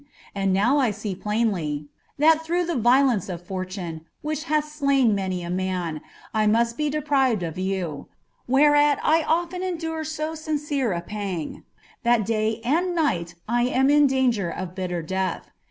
And now I plainly see, Ihai through ihe violeuce of fortune, which hath slain many a man, I must l>e deprived of you , whercai 1 often endure so sincere a pang, ihat day and tiighi I am in danger of hitler deaih.